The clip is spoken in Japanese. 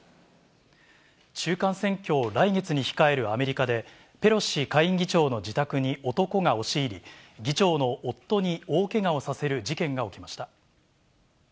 中間選挙を来月に控えるアメリカで、ペロシ下院議長の自宅に男が押し入り、議長の夫に大けがをさせる事件が起きました。